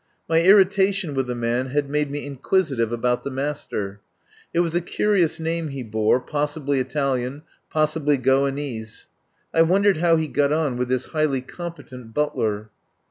My irritation with the man had made me inquisitive about the master. It was a curious name he bore, possibly Italian, pos sibly Goanese. I wondered how he got on with his highly competent butler.